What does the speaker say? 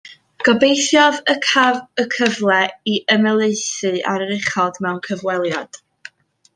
Gobeithiaf y caf y cyfle i ymhelaethu ar yr uchod mewn cyfweliad